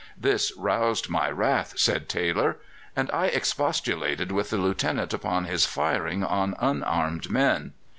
"This roused my wrath," says Taylor, "and I expostulated with the Lieutenant upon his firing on unarmed men."